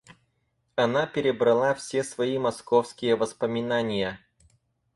Она перебрала все свои московские воспоминания.